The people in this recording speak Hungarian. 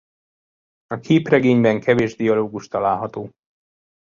A képregényben kevés dialógus található.